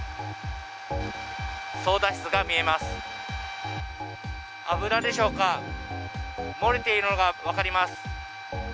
操舵室が見えます、油でしょうか、漏れているのが分かります。